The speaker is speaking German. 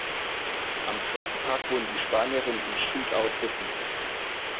Am zweiten Tag wurden die Spanierinnen im Shootout besiegt.